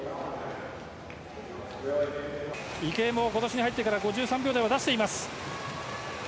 池江も、ことしに入ってから５３秒台を出しています。